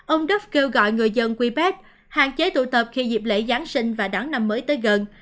ông duff kêu gọi người dân quebec hạn chế tụ tập khi dịp lễ giáng sinh và đáng năm mới tới gần